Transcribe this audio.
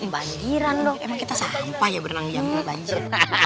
banjiran dong emang kita sampah ya berenang jam banjir